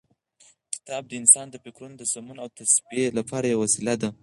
کتاب د انسان د فکرونو د سمون او تصفیې لپاره یوه وسیله ده.